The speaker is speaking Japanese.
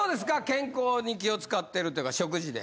健康に気を使ってるというか食事で。